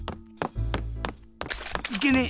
いけねえ！